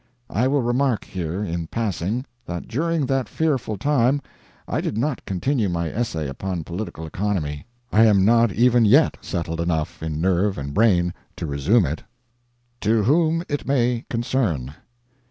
I will remark here, in passing, that during that fearful time I did not continue my essay upon political economy. I am not even yet settled enough in nerve and brain to resume it. TO WHOM IT MAY CONCERN.